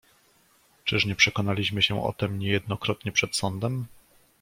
"Czyż nie przekonaliśmy się o tem niejednokrotnie przed sądem?"